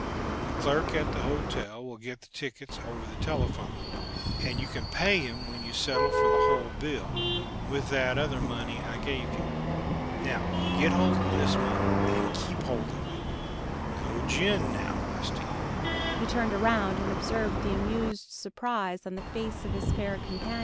The clerk at the hotel will get the tickets over the telephone, and you can pay him when you settle for the whole bill, with that other money I gave you. Now, get hold of this money, and keep hold of it. No gin now, Rusty!"